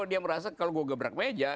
dia merasa kalau gue gebrak meja